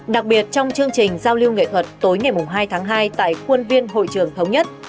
đặc biệt trong chương trình giao lưu nghệ thuật tối ngày hai tháng hai tại quân viên hội trưởng thống nhất